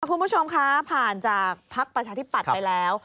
ทุกคุณผู้ชมครับผ่านจากภาคประชาชนิปรัติไปแล้ว